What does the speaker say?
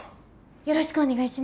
よろしくお願いします。